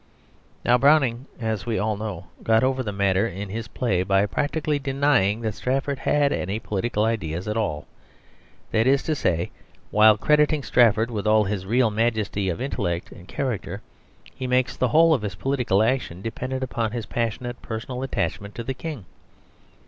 Now Browning, as we all know, got over the matter in his play, by practically denying that Strafford had any political ideals at all. That is to say, while crediting Strafford with all his real majesty of intellect and character, he makes the whole of his political action dependent upon his passionate personal attachment to the King.